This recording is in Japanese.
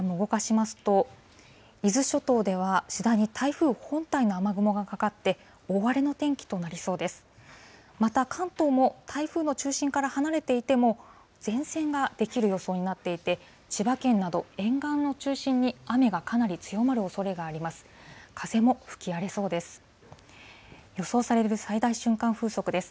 また関東も、台風の中心から離れていても、前線が出来る予想になっていて、千葉県など沿岸を中心に、雨がかなり強まるおそれがあります。